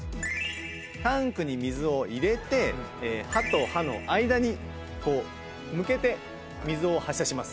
タンクに水を入れて歯と歯の間に向けて水を発射します。